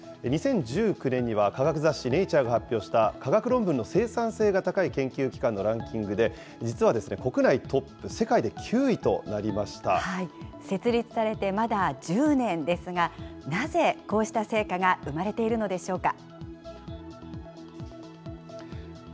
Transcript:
２０１９年には、科学雑誌、ネイチャーが発表した科学論文の生産性が高い研究機関のランキングで、実は国内トップ、世界で９位とな設立されてまだ１０年ですが、なぜこうした成果が生まれているのでしょうか。